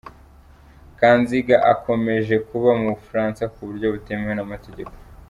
Kanziga akomeje kuba mu Bufaransa ku buryo butemewe n’amategeko.